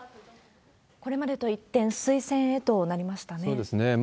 これまでと一転、推薦へとなりましたね。